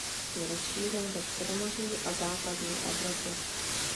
Je rozšířen ve Středomoří a západní Evropě.